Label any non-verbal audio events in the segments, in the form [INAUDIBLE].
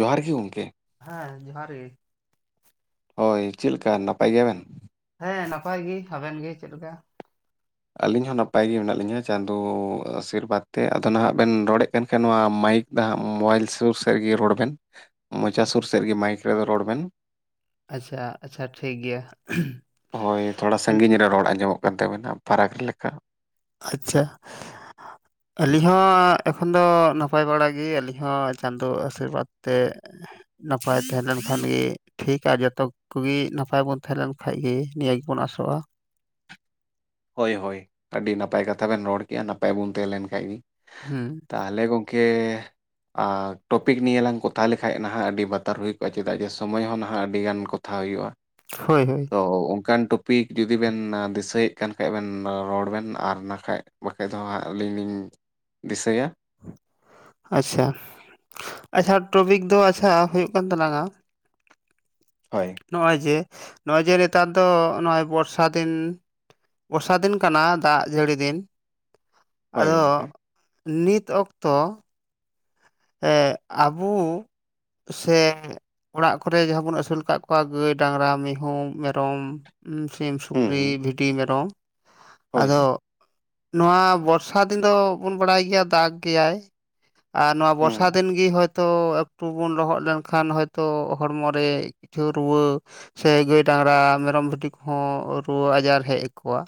ᱡᱚᱦᱟᱨ ᱜᱤ ᱜᱚᱢᱠᱮ ᱦᱮᱸ ᱡᱚᱦᱟᱨ ᱜᱮ ᱦᱳᱭ ᱪᱮᱫ ᱞᱮᱠᱟ ᱱᱟᱯᱟᱭ ᱜᱮᱭᱟ ᱵᱮᱱ ᱦᱮᱸ ᱱᱟᱯᱟᱭ ᱜᱤ ᱟᱵᱮᱱ ᱜᱮ ᱪᱮᱫ ᱞᱮᱠᱟ? ᱟᱹᱞᱤᱧ ᱦᱚᱸ ᱱᱟᱯᱟᱭ ᱜᱮ ᱢᱮᱱᱟᱜ ᱞᱤᱧᱟᱹ ᱪᱟᱸᱫᱚ ᱟᱥᱤᱨᱵᱟᱫᱽ ᱛᱮ ᱟᱫᱚ ᱱᱟᱦᱟᱜ ᱵᱮᱱ ᱨᱚᱲᱮᱫ ᱠᱟᱱ ᱠᱷᱟᱱ ᱱᱚᱶᱟ ᱢᱟᱭᱤᱠ [UNINTELLIGIBLE] ᱢᱳᱵᱟᱭᱤᱞ ᱥᱳᱨ ᱥᱮᱫᱜᱮ ᱨᱚᱲ ᱵᱮᱱ ᱢᱚᱪᱟ ᱥᱩᱨ ᱥᱮᱫᱜᱮ ᱢᱟᱭᱤᱠ ᱨᱮᱫᱚ ᱨᱚᱲ ᱵᱮᱱ ᱟᱪᱪᱷᱟ ᱟᱪᱪᱷᱟ ᱴᱷᱤᱠ ᱜᱮᱭᱟ ᱦᱳᱭ ᱛᱷᱚᱲᱟ ᱥᱟᱺᱜᱤᱧ ᱨᱮ ᱨᱚᱲ ᱟᱸᱡᱚᱢᱚᱜ ᱠᱟᱱ ᱛᱟᱵᱮᱱᱟ ᱯᱷᱟᱨᱟᱠ ᱨᱮ ᱞᱮᱠᱟ ᱟᱪᱪᱷᱟ [INAUDIBLE] ᱟᱹᱞᱤᱧ ᱦᱚᱸ ᱮᱠᱷᱚᱱ ᱫᱚ ᱱᱟᱯᱟᱭ ᱵᱟᱲᱟ ᱜᱮ ᱟᱹᱞᱤᱧ ᱦᱚᱸ ᱪᱟᱸᱫᱚ ᱟᱥᱤᱨᱵᱟᱫᱽ ᱛᱮ ᱱᱟᱯᱟᱭ ᱛᱟᱦᱮᱸ ᱞᱮᱱᱠᱷᱟᱱ ᱜᱮ ᱴᱷᱤᱠᱟ ᱟᱨ ᱡᱚᱛᱚ ᱠᱚ ᱜᱤ ᱱᱟᱯᱟᱭ ᱵᱚᱱ ᱛᱟᱦᱮᱸ ᱞᱮᱱᱠᱷᱟᱡ ᱜᱮ ᱱᱤᱭᱟᱹ ᱜᱮᱵᱚᱱ ᱟᱥᱚᱜᱼᱟ ᱦᱳᱭ ᱦᱳᱭ ᱟᱹᱰᱤ ᱱᱟᱯᱟᱭ ᱠᱟᱛᱷᱟ ᱵᱮᱱ ᱨᱚᱲ ᱠᱮᱜᱼᱟ, ᱱᱟᱯᱟᱭ ᱵᱚᱱ ᱛᱟᱦᱮᱸ ᱞᱮᱱ ᱠᱷᱟᱡ ᱜᱮ ᱦᱩᱸ ᱛᱟᱦᱞᱮ ᱜᱚᱢᱠᱮ ᱟᱨ ᱴᱚᱯᱤᱠ ᱱᱤᱭᱟ. ᱞᱟᱝ ᱠᱚᱛᱷᱟ ᱞᱮᱠᱷᱟᱡ ᱱᱟᱦᱟᱜ ᱟᱹᱰᱤ ᱵᱟᱛᱟᱨ ᱦᱩᱭ ᱠᱚᱜᱼᱟ ᱪᱮᱫᱟᱜ ᱡᱮ ᱥᱚᱢᱚᱭ ᱦᱚᱸ ᱱᱟᱦᱟᱜ ᱟᱹᱰᱤᱜᱟᱱ ᱠᱚᱢ‌... [UNINTELLIGIBLE] ᱦᱩᱭᱩᱜᱼᱟ ᱦᱳᱭ ᱦᱳᱭ ᱛᱚ ᱚᱱᱠᱟᱱ ᱴᱚᱯᱤᱠ ᱡᱩᱫᱤ ᱵᱮᱱ ᱫᱤᱥᱟᱹᱭ ᱠᱟᱱ ᱠᱷᱟᱡ ᱵᱮᱱ ᱨᱚᱲ ᱵᱮᱱ ᱟᱨ ᱱᱟᱠᱷᱟᱡ ᱵᱟᱠᱷᱟᱡ ᱫᱚ ᱦᱟᱸᱜ ᱟᱹᱞᱤᱧ ᱞᱤᱧ ᱫᱤᱥᱟᱹᱭᱟ ᱟᱪᱪᱷᱟ, ᱟᱪᱷᱟ ᱴᱨᱚᱯᱤᱠ ᱫᱚ ᱟᱪᱪᱷᱟ ᱦᱩᱭᱩᱜ ᱠᱟᱱ ᱛᱟᱞᱟᱝᱼᱟ ᱦᱳᱭ ᱱᱚᱜᱼᱚᱭ ᱡᱮ ᱱᱚᱜᱼᱚᱭ ᱡᱮ ᱱᱮᱛᱟᱨ ᱫᱚ ᱱᱚᱜᱼᱚᱭ ᱵᱚᱨᱥᱟ ᱫᱤᱱ᱾ ᱵᱚᱨᱥᱟ ᱫᱤᱱ ᱠᱟᱱᱟ ᱫᱟᱜ ᱡᱟᱹᱲᱤ ᱫᱤᱱ ᱦᱳᱭ ᱟᱫᱚ ᱜᱚᱢᱠᱮ ᱱᱤᱛ ᱚᱠᱛᱚ ᱦᱮ ᱟᱵᱚ ᱥᱮ ᱚᱲᱟᱜ ᱠᱚᱨᱮ ᱡᱟᱦᱟᱸ ᱵᱚᱱ ᱟᱹᱥᱩᱞ ᱟᱠᱟᱫ ᱠᱚᱣᱟ ᱜᱟᱹᱭ ᱰᱟᱝᱨᱟ ᱢᱤᱦᱩ ᱢᱮᱨᱚᱢ᱾ ᱥᱤᱢ ᱦᱩᱸ ᱥᱩᱠᱨᱤ ᱦᱩᱸ ᱵᱷᱤᱰᱤ ᱢᱮᱨᱚᱢ ᱦᱳᱭ ᱟᱫᱚ ᱱᱚᱣᱟ ᱵᱚᱨᱥᱟ ᱫᱤᱱ ᱫᱚ ᱵᱚᱱ ᱵᱟᱲᱟᱭ ᱜᱮᱭᱟ ᱫᱟᱜᱽ ᱜᱮᱭᱟᱭ ᱟᱨ ᱱᱚᱣᱟ ᱦᱩᱸ ᱵᱚᱨᱥᱟ ᱫᱤᱱ ᱜᱮ ᱦᱚᱭ ᱛᱚ ᱟ. ᱠᱴᱩ ᱵᱚᱱ ᱞᱚᱦᱚᱫ ᱞᱮᱱᱠᱷᱟᱱ ᱦᱚᱭᱛᱚ ᱦᱚᱲᱢᱚ ᱨᱮ ᱠᱤᱪᱷᱩ ᱨᱩᱣᱟᱹ ᱥᱮ ᱜᱟᱹᱭ ᱰᱟᱝᱨᱟ ᱢᱮᱨᱚᱢ ᱵᱷᱤᱰᱤ ᱠᱚᱦᱚᱸ ᱨᱩᱣᱟᱹ ᱟᱡᱟᱨ ᱦᱮᱡ ᱟᱠᱚᱣᱟ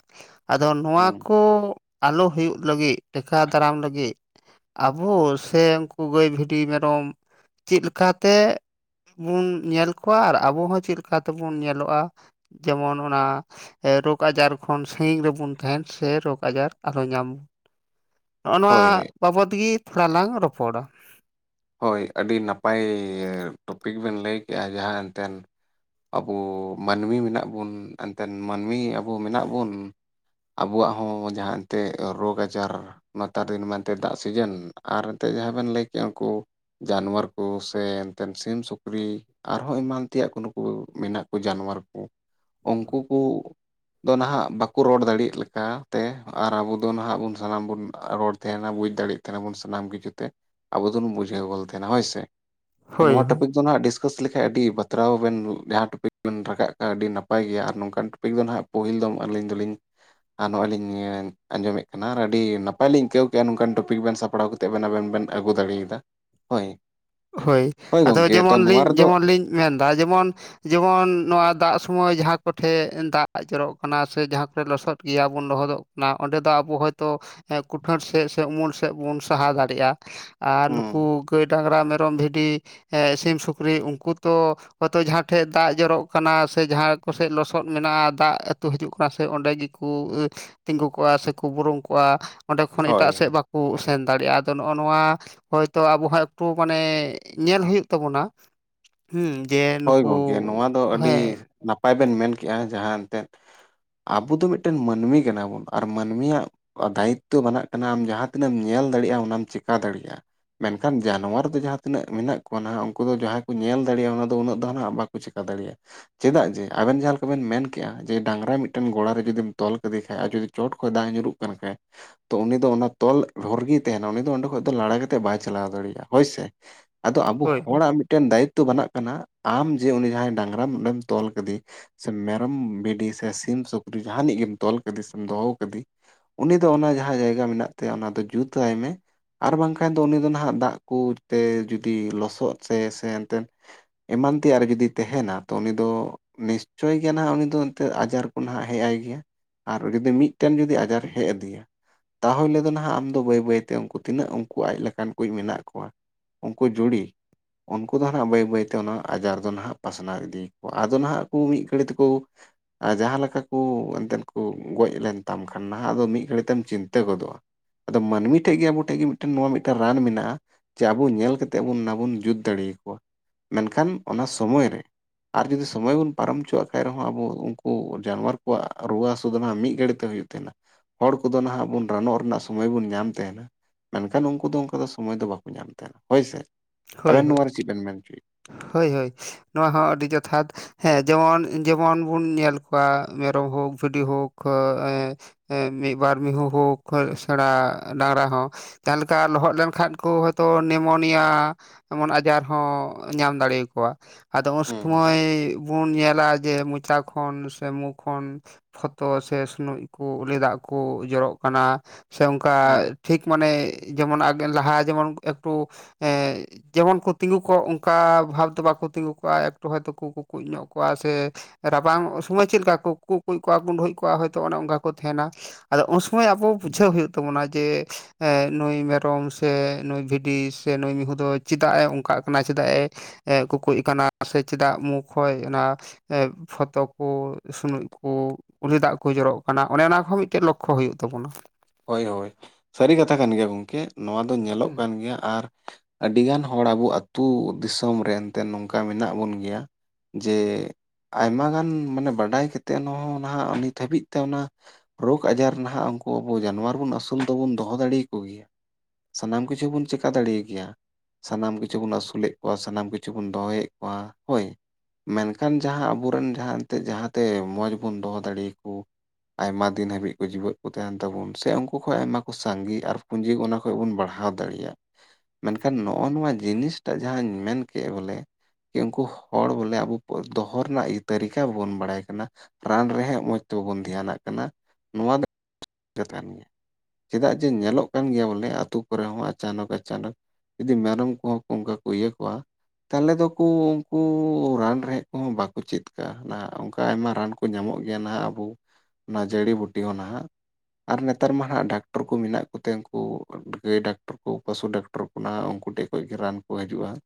ᱟᱫᱚ ᱱᱚᱶᱟ ᱦᱩᱸ ᱠᱚ ᱟᱞᱚ ᱦᱩᱭᱩᱜ ᱞᱟᱹᱜᱤᱫ ᱴᱮᱠᱟᱣ ᱫᱟᱨᱟᱢ ᱞᱟᱹᱜᱤᱫ ᱟᱵᱚ ᱥᱮ ᱩᱱ....... ᱜᱟᱹᱭ ᱵᱷᱤᱰᱤ ᱢᱮᱨᱚᱢ ᱪᱮᱫ ᱞᱮᱠᱟᱛᱮ ᱵᱚᱱ ᱧᱮᱞ ᱠᱚᱣᱟ ᱟᱨ ᱟᱵᱚ ᱦᱚᱸ ᱪᱮᱫ ᱞᱮᱠᱟ ᱛᱮᱵᱚᱱ ᱧᱮᱞᱚᱜᱼᱟ? ᱡᱮᱢᱚᱱ ᱚᱱᱟ ᱨᱳᱜᱽ ᱟᱡᱟᱨ ᱠᱷᱚᱱ ᱥᱟᱺᱜᱤᱧ ᱨᱮᱵᱚᱱ ᱛᱟᱦᱮᱱ ᱥᱮ ᱨᱳᱜᱽ ᱟᱡᱟᱨ ᱟᱞᱚ ᱧᱟᱢ [INAUDIBLE] ᱱᱚᱜ ᱱᱚᱣᱟ ᱦᱳᱭ ᱵᱟᱵᱚᱫ ᱛᱤᱜᱤ ᱛᱷᱚᱲᱟ ᱞᱟᱝ ᱨᱚᱯᱚᱲᱟ ᱦᱳᱭ ᱟᱹᱰᱤ ᱱᱟᱯᱟᱭ ᱴᱚᱯᱤᱠ ᱵᱮᱱ ᱞᱟᱹᱭ ᱠᱮᱫᱮᱜᱼᱟ ᱡᱟᱦᱟᱸ ᱮᱱᱛᱮᱫ ᱟᱵᱚ ᱢᱟᱹᱱᱢᱤ ᱢᱮᱱᱟᱜ ᱵᱚᱱ ᱮᱱᱛᱮᱮᱫ ᱢᱟᱹᱱᱢᱤ ᱟᱵᱚ ᱢᱮᱱᱟᱜ ᱵᱚᱱ ᱟᱵᱚᱣᱟᱜ ᱦᱚᱸ ᱡᱟᱦᱟᱸ ᱮᱱᱛᱮᱫ ᱨᱳᱜᱽ ᱟᱡᱟᱨ ᱢᱟᱛᱟᱨ ᱫᱤᱱ ᱢᱮᱱᱛᱮ ᱫᱟᱜ ᱥᱤᱡᱮᱱ ᱟᱨ ᱮᱱᱛᱮᱮᱫ ᱡᱟᱦᱟᱸ ᱵᱮᱱ ᱞᱟᱹᱭ ᱠᱮᱫᱮᱜᱼᱟ ᱩᱱᱠᱩ᱾ ᱡᱟᱱᱣᱟᱨ ᱠᱚ ᱥᱮ ᱮᱱᱛᱮᱫ ᱥᱤᱢ ᱥᱩᱠᱨᱤ ᱟᱨᱦᱚᱸ ᱮᱢᱟᱱ ᱛᱮᱭᱟᱜ ᱠᱱᱩᱠᱩ ᱢᱮᱱᱟᱜ ᱠᱚ ᱡᱟᱱᱣᱟᱨ ᱠᱚ ᱩᱱᱠᱩ ᱠᱚ ᱫᱚ ᱱᱟᱦᱟᱜ ᱵᱟᱠᱚ ᱨᱚᱲ ᱫᱟᱲᱮᱭᱟᱜ ᱞᱮᱠᱟ ᱛᱮ ᱟᱨ ᱟᱵᱚ ᱫᱚ ᱱᱟᱦᱟᱜ ᱵᱚᱱ ᱥᱟᱱᱟᱢ ᱵᱚᱱ ᱨᱚᱲ ᱛᱟᱦᱮᱸᱱᱟ ᱵᱩᱡ ᱫᱟᱲᱮᱭᱟᱜ ᱱᱟ ᱥᱟᱱᱟᱢ ᱜᱤ ᱡᱮᱛᱮ ᱟᱵᱚ ᱫᱚ ᱵᱚᱱ ᱵᱩᱡᱷᱟᱹᱣ ᱜᱚᱫ ᱛᱟᱦᱮᱱᱟ ᱦᱳᱭᱥ ᱦᱳᱭ ᱱᱚᱣᱟ ᱴᱚᱯᱤᱠ ᱫᱚ ᱦᱟᱜ ᱰᱤᱥᱠᱟᱥ ᱞᱮᱠᱷᱟᱡ ᱟᱹᱰᱤ ᱵᱟᱛᱨᱟᱣ ᱵᱮᱱ ᱡᱟᱦᱟᱸ ᱴᱩᱯᱤᱠ ᱵᱮᱱ ᱨᱟᱠᱟᱵ ᱠᱟᱜᱼᱟ ᱟᱹᱰᱤ ᱱᱟᱯᱟᱭ ᱜᱮᱭᱟ ᱟᱨ ᱱᱚᱝ ᱠᱟᱱ ᱴᱚᱯᱤᱠ ᱴᱚᱯᱤᱠ ᱫᱚ ᱦᱟᱸᱜ ᱯᱚᱹᱦᱤᱞ ᱫᱚᱢ ᱟᱹᱞᱤᱧ ᱫᱚᱞᱤᱧ ᱟᱨ ᱱᱚᱜᱼᱚᱭ ᱞᱤᱧ ᱟᱸᱡᱚᱢᱮᱫ ᱠᱟᱱᱟ ᱟᱨ ᱟᱹᱰᱤ ᱱᱟᱯᱟᱭ ᱞᱤᱧ ᱟᱹᱭᱠᱟᱹᱣ ᱠᱮᱫᱼᱟ ᱱᱚᱝᱠᱟᱱ ᱴᱚᱯᱤᱠ ᱵᱮᱱ ᱥᱟᱵᱟᱜ ᱯᱟᱲᱟᱣ ᱠᱟᱛᱮ ᱟᱵᱮᱱ ᱵᱮᱱ ᱟᱹᱜᱩ ᱫᱟᱲᱮᱭᱟᱫᱟ ᱦᱳᱭ᱾ ᱦᱳᱭ ᱟᱫᱚ ᱜᱚᱝᱠᱮ ᱛᱚ ᱡᱮᱢᱚᱱ ᱱᱚᱣᱟ ᱞᱤᱧ ᱨᱮᱫᱚ ᱡᱮᱢᱚᱱ ᱞᱤᱧ ᱢᱮᱱᱫᱟ ᱡᱮᱢᱚᱱ᱾ ᱡᱮᱢᱚᱱ ᱱᱚᱣᱟ ᱫᱟᱜ ᱥᱚᱢᱚᱭ ᱡᱟᱦᱟᱸ ᱠᱚᱴᱷᱮᱱ ᱫᱟᱜ ᱡᱚᱨᱚᱜ ᱠᱟᱱᱟ ᱥᱮ ᱡᱟᱦᱟᱸ ᱠᱚᱨᱮ ᱞᱚᱥᱚᱫ ᱜᱮᱭᱟ ᱵᱚᱱ ᱞᱚᱦᱚᱫᱚᱜ ᱠᱟᱱᱟ᱾ ᱚᱱᱟ ᱚᱸᱰᱮ ᱫᱚ ᱟᱵᱚ ᱦᱚᱭᱛᱳ ᱠᱩᱴᱷᱟᱹᱲ ᱥᱮᱫ ᱥᱮ ᱩᱢᱩᱞ ᱥᱮᱫ ᱵᱚᱱ ᱥᱟᱦᱟ ᱫᱟᱲᱮᱭᱟᱜᱼᱟ᱾ ᱟᱨ ᱦᱩᱸ ᱱᱩᱠᱩ ᱜᱟᱹᱭ ᱰᱟᱝᱨᱟ ᱢᱮᱨᱚᱢ ᱵᱷᱤᱰᱤ ᱥᱤᱢ ᱥᱩᱠᱨᱤ ᱩᱱᱠᱩ ᱛᱚ ᱦᱚᱭᱛᱳ ᱡᱟᱦᱟᱸ ᱴᱷᱮᱡ ᱫᱟᱜ ᱡᱚᱨᱚᱜ ᱠᱟᱱᱟ ᱥᱮ ᱡᱟᱦᱟᱸ ᱠᱚᱥᱮᱡ ᱞᱚᱥᱚᱫ ᱢᱮᱱᱟᱜᱼᱟ ᱫᱟᱜ ᱟᱹᱛᱩ ᱦᱤᱡᱩᱜ ᱠᱟᱱᱟ ᱥᱮ ᱚᱸᱰᱮ ᱜᱮ ᱩᱱᱠᱩ ᱛᱤᱸᱜᱩ ᱠᱚᱜᱼᱟ ᱥᱮᱠᱚ ᱵᱩᱨᱩᱚᱝ ᱠᱚᱜᱼᱟ᱾ ᱚᱸᱰᱮ ᱠᱷᱚᱱ ᱦᱳᱭ ᱮᱴᱟᱜ ᱥᱮᱫ ᱵᱟᱠᱚ ᱥᱮᱱ ᱫᱟᱲᱮᱭᱟᱜᱼᱟ ᱟᱫᱚ ᱱᱚᱜ ᱱᱚᱣᱟ ᱦᱳᱭᱛᱳ ᱟᱵᱚ ᱦᱚᱸ ᱮᱠᱴᱩ ᱢᱟᱱᱮ ᱧᱮᱞ ᱦᱩᱭᱩᱜ ᱛᱟᱵᱚᱱᱟᱸ ᱡᱮ ᱦᱳᱭ ᱱᱩᱠᱩ ᱜᱚᱝᱠᱮ ᱱᱚᱣᱟ ᱫᱚ ᱟᱹᱰᱤ ᱦᱮᱸ ᱱᱟᱯᱟᱭ ᱵᱮᱱ ᱢᱮᱱ ᱠᱮᱜᱼᱟ ᱡᱟᱦᱟᱸ ᱮᱱᱛᱮᱜ ᱟᱵᱚ ᱫᱚ ᱢᱤᱫᱴᱮᱱ ᱢᱟᱹᱱᱢᱤ ᱠᱟᱱᱟ ᱵᱚᱱ ᱟᱨ ᱢᱟᱹᱱᱢᱤᱭᱟᱜ ᱫᱟᱭᱤᱛᱛᱚ ᱵᱟᱱ ᱱᱟᱜ ᱠᱟᱱᱟ ᱟᱢ ᱡᱟᱦᱟᱸ ᱛᱤᱱᱟᱹᱜ ᱮᱢ ᱧᱮᱞ ᱫᱟᱲᱮᱭᱟᱜᱼᱟ ᱚᱱᱟᱢ ᱪᱮᱠᱟ ᱫᱟᱲᱮᱭᱟᱜᱼᱟ, ᱢᱮᱱᱠᱷᱟᱱ ᱡᱟᱱᱣᱟᱨ ᱫᱚ ᱡᱟᱦᱟᱸ ᱛᱤᱱᱟᱹᱜ ᱢᱮᱱᱟᱜ ᱠᱚᱣᱟ ᱱᱟᱦᱟᱜ ᱩᱱᱠᱩ ᱫᱚ ᱡᱟᱦᱟᱸᱭ ᱠᱚ ᱧᱮᱞ ᱫᱟᱲᱮᱭᱟᱜᱼᱟ ᱚᱱᱟ ᱩᱱᱟᱹᱜ ᱫᱚᱜ ᱦᱟ ᱵᱟᱠᱚ ᱪᱮᱠᱟᱹ ᱫᱟᱲᱮᱭᱟᱜᱼᱟ᱾ ᱪᱮᱫᱟᱜ ᱡᱮ ᱟᱵᱮᱱ ᱡᱟᱦᱟᱸ ᱞᱮᱠᱟ ᱵᱮᱱ ᱢᱮᱱ ᱠᱮᱜᱼᱟ ᱡᱮ ᱰᱟᱝᱨᱟ ᱢᱤᱫᱴᱮᱱ ᱜᱚᱲᱟ ᱨᱮ ᱡᱩᱫᱤᱢ ᱛᱚᱞ ᱠᱮᱫᱫᱮ ᱠᱷᱟᱡ ᱟᱨ ᱡᱩᱫᱤ ᱪᱚᱴ ᱠᱷᱚᱡ ᱫᱟᱜ ᱧᱩᱨᱩᱜᱼᱟ ᱦ [UNINTELLIGIBLE] ᱛᱚ ᱩᱱᱤ ᱫᱚ ᱚᱱᱟ ᱛᱚᱞ ᱨᱚᱨ ᱜᱮᱭ ᱛᱟᱦᱮᱱᱟ ᱩᱱᱤ ᱫᱚ ᱚᱸ ᱫᱚ ᱞᱟᱲᱟ ᱠᱟᱛᱮ ᱵᱟᱭ ᱪᱟᱞᱟᱣ ᱫᱟᱲᱮᱭᱟᱜᱼᱟ ᱦᱳᱭ ᱥᱮ ᱟᱫᱚ ᱟᱵᱚ ᱦᱳᱭ ᱦᱳᱭ ᱦᱚᱲᱟᱜ ᱢᱤᱫᱴᱮᱱ ᱫᱟᱭᱤᱛᱛᱚ ᱵᱮᱱᱟᱜ ᱠᱟᱱᱟ᱾ ᱟᱢ ᱡᱮ ᱩᱱᱤ ᱡᱟᱦᱟᱸᱭ ᱰᱟᱝᱨᱟᱢ ᱚᱸᱰᱮᱢ ᱛᱚᱞ ᱠᱮᱫᱮ ᱥᱮ ᱢᱮᱨᱚᱢ ᱵᱷᱤᱰᱤ ᱥᱮ ᱥᱤᱢ ᱥᱩᱠᱨᱤ ᱡᱟᱦᱟᱱᱤᱡ ᱜᱮᱢ ᱛᱚᱞ ᱠᱮᱫᱮ ᱥᱮᱢ ᱫᱚᱦᱚ ᱠᱟᱫᱮ ᱩᱱᱤ ᱫᱚ ᱚᱱᱟ ᱡᱟᱦᱟᱸ ᱡᱟᱭᱜᱟ ᱢᱮᱱᱟᱜ ᱛᱟᱭᱟ ᱚᱱᱟ ᱫᱚ ᱡᱩᱛ ᱟᱭ ᱢᱮ ᱟᱨ ᱵᱟᱝᱠᱷᱟᱱ ᱫᱚ ᱩᱱᱤ ᱫᱚ ᱱᱟᱦᱟᱜ ᱫᱟᱜ ᱠᱚ ᱛᱮ ᱡᱩᱫᱤ ᱞᱚᱥᱚᱫ ᱥᱮ ᱥᱮ ᱮᱱ ᱛᱮᱫ ᱮᱢᱟᱱ ᱛᱮᱭᱟᱜ ᱨᱮ ᱡᱩᱫᱤ ᱛᱟᱦᱮᱱᱟ ᱛᱚ ᱩᱱᱤ ᱫᱚ ᱱᱤᱥᱪᱚᱭ ᱜᱮᱱᱟ ᱱᱟᱦᱟᱜ ᱩᱱᱤ ᱫᱚ ᱮᱱᱜ ᱟᱡᱟᱨ ᱠᱚ ᱱᱟᱦᱟᱜ ᱦᱮᱡ ᱟᱭ ᱜᱮᱭᱟ ᱟᱨ ᱡᱩᱫᱤ ᱢᱤᱫᱴᱮᱱ ᱡᱩᱫᱤ ᱟᱡᱟᱨ ᱦᱮᱡ ᱟᱫᱤᱭᱟ ᱛᱟᱦᱚᱞᱮ ᱫᱚ ᱱᱟᱦᱟᱜ ᱟᱢ ᱫᱚ ᱵᱟᱹᱭ ᱵᱟᱹᱭᱛᱮ ᱩᱱ ᱛᱤᱱᱟᱹᱜ ᱩᱱᱠᱩ ᱟᱡ ᱞᱮᱠᱟᱱ ᱠᱩᱡ ᱢᱮᱱᱟᱜ ᱠᱚᱣᱟ ᱾ ᱩᱱᱠᱩ ᱡᱩᱲᱤ ᱩᱱᱠᱩ ᱫᱚ ᱦᱟᱸᱜ ᱵᱟᱹᱭ ᱵᱟᱹᱭ ᱛᱮ ᱛᱮ ᱚᱱᱟ ᱟᱡᱟᱨ ᱫᱚ ᱱᱟᱦᱟᱸᱜ ᱯᱟᱥᱱᱟᱣ ᱤᱫᱤᱭᱟᱠᱚᱣᱟ ᱟᱫᱚ ᱱᱟᱦᱟᱸᱜ ᱠᱚ ᱢᱤᱫ ᱜᱷᱟᱹᱲᱤ ᱛᱮᱠᱚ ᱟᱨ ᱡᱟᱦᱟᱸ ᱞᱮᱠᱟ ᱠᱚ ᱮᱱᱛᱮᱫ ᱠᱚ ᱜᱚᱡ ᱞᱮᱱ ᱛᱟᱢ ᱠᱷᱟᱱ ᱱᱟᱦᱟᱜ ᱫᱚ ᱢᱤᱫ ᱜᱷᱟᱹᱲᱤᱡ ᱛᱮᱢ ᱪᱤᱱᱛᱟᱹ ᱜᱚᱫᱚᱜᱼᱟ ᱟᱫᱚ ᱢᱟᱹᱱᱢᱤ ᱴᱷᱮᱱ ᱜᱮ ᱟᱵᱚ ᱴᱷᱮᱱ ᱜᱮ ᱱᱚᱣᱟ ᱢᱤᱫᱴ ᱨᱟᱱ ᱢᱮᱱᱟᱜᱼᱟ ᱡᱮ ᱟᱵᱚ ᱧᱮᱞᱠᱛᱮᱫ ᱵᱚᱱ ᱚᱱᱟ ᱵᱚᱱ ᱡᱩᱛ ᱫᱟᱲᱮ ᱭᱟᱠᱚ ᱢᱮᱱᱠᱷᱟᱱ ᱚᱱᱟ ᱥᱚᱢᱚᱭ ᱨᱮ᱾ ᱟᱨ ᱡᱩᱫᱤ ᱥᱚᱢᱚᱭ ᱵᱚᱱ ᱯᱟᱨᱚᱢ ᱦᱚᱪᱚᱣᱟᱜ ᱠᱷᱟᱡ ᱨᱮᱦᱚᱸ ᱟᱵᱚ ᱩᱱᱠᱩ ᱡᱟᱱᱣᱟᱨ ᱠᱚᱣᱟᱜ ᱨᱩᱣᱟᱹ ᱦᱟᱹᱥᱩ ᱫᱚ ᱱᱟᱦᱟᱸᱜ ᱢᱤᱫ ᱜᱷᱟᱹᱲᱤᱡ ᱛᱮ ᱦᱩᱭᱩᱜ ᱛᱟᱦᱮᱱᱟ ᱦᱚᱲ ᱠᱚᱫᱚ ᱱᱟᱦᱟᱜ ᱵᱚᱱ ᱨᱟᱱᱚᱜ ᱨᱮᱱᱟᱜ ᱥᱚᱢᱚᱭ ᱵᱚᱱ ᱧᱟᱢ ᱛᱟᱦᱮᱱᱟ ᱢᱮᱱᱠᱷᱟᱱ ᱩᱱᱠᱩ ᱫᱚ ᱚᱱᱠᱟ ᱫᱚ ᱥᱚᱢᱚᱭ ᱫᱚ ᱵᱟᱠᱚ ᱧᱟᱢ ᱛᱟᱦᱮᱱᱟ ᱦᱚᱭ ᱥᱮ ᱦᱳᱭ ᱦᱳᱭ ᱟᱵᱮᱱ ᱱᱚᱶᱟ ᱨᱮ ᱪᱮᱫ ᱵᱮᱱ ᱢᱮᱱ ᱦᱚᱪᱚᱭ ᱮᱫ.... ᱦᱳᱭ ᱦᱳᱭ ᱱᱚᱣᱟ ᱦᱚᱸ ᱟᱹᱰᱤ ᱡᱚᱛᱷᱟᱛ ᱦᱮᱸ ᱡᱮᱢᱚᱱ ᱡᱮᱢᱚᱱ ᱵᱚᱱ ᱧᱮᱞ ᱠᱚᱣᱟ ᱢᱮᱨᱚᱢ ᱦᱳᱠ ᱵᱷᱤᱰᱤ ᱦᱳᱠ ᱮᱸ.... ᱮᱸ ᱢᱤᱫ ᱵᱟᱨ ᱢᱤᱦᱩ ᱦᱳᱠ, ᱥᱮᱬᱟ ᱰᱟᱝᱨᱟ ᱦᱚᱸ ᱛᱟ ᱞᱮᱠᱟ ᱞᱚᱦᱚᱫ ᱞᱮᱱᱠᱷᱟᱱ ᱠᱚ ᱦᱭᱛᱳ ᱱᱮᱢᱳᱱᱤᱭᱟ ᱮᱢᱚᱱ ᱟᱡᱟᱨ ᱦᱚᱸ ᱧᱟᱢ ᱫᱟᱲᱮᱭᱟ ᱠᱚᱣᱟ ᱟᱫᱚ ᱩᱱ ᱦᱩᱸ ᱥᱚᱢᱚᱭ ᱵᱚᱱ ᱧᱮᱞᱟ ᱡᱮ ᱢᱚᱪᱟ ᱠᱷᱚᱱ ᱥᱮ ᱢᱩ ᱠᱷᱚᱱ, ᱯᱷᱚᱛᱚ ᱥᱮ ᱥᱩᱱᱩ ᱠᱚ ᱩᱞᱤ ᱫᱟᱜ ᱠᱚ ᱡᱚᱨᱚᱜ ᱠᱟᱱᱟ ᱾ ᱥᱮ ᱚᱱᱠᱟ ᱦᱩᱸ ᱴᱷᱤᱠ ᱢᱟᱱᱮ ᱡᱮᱢᱚᱱ ᱞᱟᱦᱟ ᱡᱮᱢᱚᱱ ᱮᱠᱴᱩ ᱮᱸ, ᱡᱮᱢᱚᱱ ᱠᱚ ᱛᱤᱸᱜᱩ ᱠᱚᱜ ᱚᱱᱠᱟ ᱵᱷᱟᱵᱽ ᱫᱚ ᱵᱟᱠᱚ ᱛᱤᱸᱜᱩ ᱠᱚᱜᱼᱟ ᱮᱠᱴᱩ ᱦᱚᱭ ᱛᱚᱠᱚ ᱠᱚ ᱠᱩᱠᱩᱡ ᱧᱚᱜ ᱠᱚᱣᱟ ᱥᱮ, ᱨᱟᱵᱟᱝ ᱥᱚᱢᱚᱭ ᱪᱮᱫ ᱞᱮᱠᱟ ᱠᱚ ᱠᱩ ᱠᱩᱡ ᱠᱚᱣᱟ ᱜᱩᱸᱰᱳᱡ ᱠᱚᱣᱟ ᱦᱳᱭᱛᱳ ᱚᱱᱮ ᱚᱱᱠᱟ ᱠᱚ ᱛᱟᱦᱮᱱᱟ ᱾ ᱟᱫᱚ ᱩᱱ ᱥᱚᱢᱚᱭ ᱟᱵᱚ ᱵᱩᱡᱷᱟᱹᱣ ᱦᱩᱭᱩᱜ ᱛᱟᱵᱚᱱᱟ ᱡᱮ ᱱᱩᱭ ᱢᱮᱨᱚᱢ ᱥᱮ ᱱᱩᱭ ᱵᱷᱤᱰᱤ ᱥᱮ ᱱᱩᱭ ᱢᱤᱦᱩ ᱫᱚ ᱪᱮᱫᱟᱜ ᱮ ᱚᱱᱠᱟᱜ ᱠᱟᱱᱟ ᱪᱮᱫᱟᱜ ᱮ ᱠᱩᱠᱩᱡ ᱟᱠᱟᱱᱟ ᱥᱮ ᱪᱮᱫᱟᱜ ᱢᱩ ᱠᱷᱚᱡ ᱚᱱᱟ ᱮ ᱯᱷᱚᱛᱚ ᱠᱚ ᱥᱩᱱᱩᱡ ᱠᱚ ᱩᱞᱤ ᱫᱟᱜ ᱠᱚ ᱡᱚᱨᱚᱜ ᱠᱟᱱᱟ ᱚᱱᱮ ᱚᱱᱟ ᱠᱚ ᱢᱤᱫᱴᱮᱡ ᱞᱚᱠᱷᱚ ᱦᱩᱭᱩᱜ ᱛᱟᱵᱚᱱᱟ ᱾ ᱦᱳᱭ ᱦᱳᱭ ᱥᱟᱹᱨᱤ ᱠᱟᱛᱷᱟ ᱠᱟᱱ ᱜᱮᱭᱟ ᱜᱚᱢᱠᱮ ᱱᱚᱣᱟ ᱫᱚ ᱧᱮᱞᱚᱜ ᱦᱩᱸ ᱠᱟᱱ ᱜᱮᱭᱟ ᱟᱨ ᱟᱹᱰᱤᱜᱟᱱ ᱦᱚᱲ ᱟᱵᱚ ᱟᱹᱛᱩ ᱫᱤᱥᱚᱢ ᱨᱮᱱ ᱛᱮ ᱱᱚᱝᱠᱟ ᱢᱮᱱᱟᱜ ᱵᱚᱱ ᱜᱮᱭᱟ ᱾ ᱡᱮ ᱟᱭᱢᱟᱜᱟᱱ ᱢᱟᱱᱮ ᱵᱟᱰᱟᱭ ᱠᱟᱛᱮᱫ ᱮᱮᱱ ᱱᱟᱦᱟᱜ ᱱᱤᱛ ᱦᱟᱹᱵᱤᱡ ᱛᱮ ᱚᱱᱟ ᱨᱳᱜᱽ ᱟᱡᱟᱨ ᱱᱟᱦᱟᱜ ᱩᱱᱠᱩ ᱟᱵᱚ ᱡᱟᱱᱣᱟᱨ ᱵᱚᱱ ᱟᱹᱥᱩᱞ ᱫᱚᱵᱚᱱ ᱫᱚᱦᱚ ᱫᱟᱲᱮᱭᱟᱠᱚ ᱜᱮᱭᱟ ᱾ ᱥᱟᱱᱟᱢ ᱠᱤᱪᱷᱩ ᱵᱚᱱ ᱪᱮᱠᱟ ᱫᱟᱲᱮᱭ ᱠᱮᱭᱟ ᱾ ᱥᱟᱱᱟᱢ ᱠᱤᱪᱷᱩ ᱵᱚᱱ ᱟᱹᱥᱩᱞᱮᱫ ᱠᱚᱣᱟ ᱥᱟᱱᱟᱢ ᱠᱤᱪᱷᱩ ᱵᱚᱱ ᱫᱚᱦᱚᱭᱮᱫ ᱠᱚᱣᱟ ᱦᱳᱭ ᱾ ᱢᱮᱱᱠᱷᱟᱱ ᱡᱟᱦᱟᱸ ᱟᱵᱚᱨᱮᱱ ᱡᱟᱦᱟᱸ ᱮᱱᱛᱜ ᱡᱟᱦᱟᱸᱛᱮ ᱢᱚᱡᱽ ᱵᱚᱱ ᱫᱚᱦᱚ ᱫᱟᱲᱮᱭᱟᱠᱚ, ᱟᱭᱢᱟ ᱫᱤᱱ ᱦᱟᱹᱵᱤᱡ ᱠᱚ ᱡᱤᱣᱭᱮᱫ ᱠᱚ ᱛᱟᱦᱮᱸᱱᱟ ᱛᱟᱵᱩᱱ ᱥᱮ ᱩᱱᱠᱩ ᱠᱷᱚᱱ ᱟᱭᱢᱟ ᱠᱚ ᱥᱟᱸᱜᱮ ᱟᱨ ᱯᱩᱸᱡᱤ ᱚᱱᱟ ᱠᱷ ᱵᱚᱱ ᱵᱟᱲᱦᱟᱣ ᱫᱟᱲᱮᱭᱟᱜ ᱢᱮᱱᱠᱷᱟᱱ ᱱᱚᱜᱼᱚ ᱱᱚᱣᱟ ᱡᱤᱱᱤᱥ ᱴᱟᱜ ᱡᱟᱦᱟᱸᱧ ᱢᱮᱱ ᱠᱮᱜ ᱵᱚᱞᱮ, ᱤ ᱩᱱᱠᱩ ᱦᱚᱲ ᱵᱚᱞᱮ ᱟᱵᱚ ᱫᱚᱦᱚ ᱨᱮᱱᱟᱜ ᱛᱟᱹᱨᱤᱠᱟ ᱟᱵᱚᱵᱚᱱ ᱵᱟᱲᱟᱭ ᱠᱟᱱᱟ ᱾ ᱨᱟᱱ ᱨᱮᱦᱮᱸ ᱢᱚᱡᱽ ᱛᱮᱵᱚᱱ ᱫᱷᱮᱱᱟᱜ ᱠᱟᱱᱟ ᱱᱚᱣᱟ ᱫᱚ ᱠᱟᱱ ᱜᱮᱭᱟ ᱪᱮᱫᱟᱜ ᱡᱮ ᱧᱮᱞᱚᱜ ᱠᱟᱱ ᱜᱮᱭᱟ ᱵᱚᱞᱮ ᱟᱛᱳ ᱠᱚᱨᱮ ᱦᱚᱸ ᱟᱪᱟᱱᱚᱠ ᱟᱪᱟᱱᱚᱠ ᱡᱩᱫᱤ ᱢᱮᱨᱚᱢ ᱠᱚᱦᱚᱸ ᱠᱚ ᱚᱱᱠᱟ ᱠᱚ ᱤᱭᱟᱹ ᱠᱚᱣᱟ, ᱛᱟᱦᱚᱞᱮ ᱫᱚᱠᱚ ᱩᱱᱠᱩ ᱨᱟᱱ ᱨᱮᱦᱮᱫ ᱠᱚᱦᱚᱸ ᱵᱟᱠᱚ ᱪᱮᱫ ᱠᱟᱜᱼᱟ ᱱᱟᱦᱟᱜ ᱚᱱᱠᱟ ᱟᱭᱢᱟ ᱨᱟᱱ ᱠᱚ ᱠᱚ ᱧᱟᱢᱚᱜ ᱜᱮᱭᱟ ᱱᱟᱦᱟᱜ ᱟᱵᱚ ᱚᱱᱟ ᱡᱟᱹᱲᱤ ᱵᱩᱴᱤ ᱦᱚᱸ ᱱᱟᱦᱟᱜ ᱾ ᱟᱨ ᱱᱮᱛᱟᱨ ᱢᱟ ᱦᱟᱜ ᱰᱟᱠᱴᱚᱨ ᱠᱚ ᱢᱮᱱᱟᱜ ᱠᱚᱛᱮ ᱩᱱᱠᱩ ᱜᱟᱹᱭ ᱰᱟᱠᱴᱚᱨ ᱠᱚ ᱯᱚᱥᱩ ᱰᱟᱠᱴᱚᱨ ᱠᱚ ᱚᱱᱟ ᱩᱱᱠᱩ ᱴᱷᱮᱱ ᱠᱷᱚᱡ ᱜᱮ ᱨᱟᱱ ᱠᱚ ᱦᱤᱡᱩᱜᱼᱟ ᱾